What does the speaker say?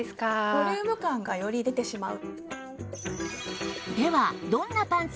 ボリューム感がより出てしまう。